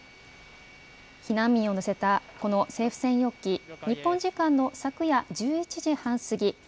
避難民を乗せたこの政府専用機日本時間の昨夜１１時半すぎ